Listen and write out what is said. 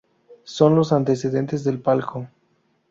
Son los antecedentes del palco.